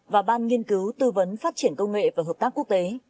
và ban nghiên cứu tư vấn phát triển công nghệ và hợp tác quốc tế